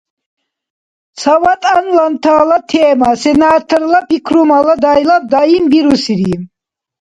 Цаватӏанлантала тема сенаторла пикрумала дайлаб даим бирусири